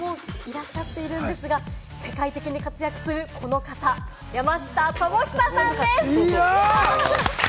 １回目のゲストがいらっしゃっているんですが、世界的に活躍するこの方、山下智久さんです！